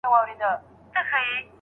په بل روايت کي دا الفاظ راغلي دي.